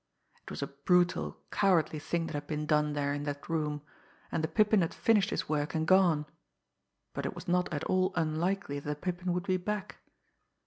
It was a brutal, cowardly thing that had been done there in that room, and the Pippin had finished his work and gone but it was not at all unlikely that the Pippin would be back!